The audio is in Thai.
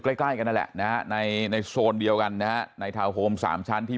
ใกล้กันนะแหละในโซนเดียวกันนะในทาวน์โฮมสามชั้นที่